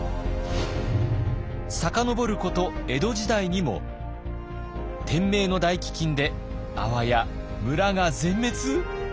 遡ること江戸時代にも天明の大飢饉であわや村が全滅？